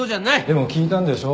でも聞いたんでしょ？